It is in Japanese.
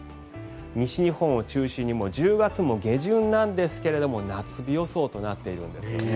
西日本を中心に１０月も下旬なんですが夏日予想となっているんですよね。